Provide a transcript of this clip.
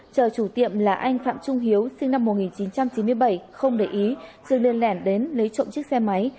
chờ chủ tiệm là anh phạm trung hiếu sinh năm một nghìn chín trăm chín mươi bảy không để ý sự liên lẻn đến lấy trộm chiếc xe máy